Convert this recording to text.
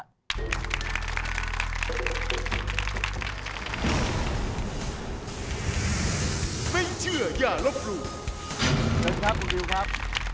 สวัสดีครับคุณวิวครับ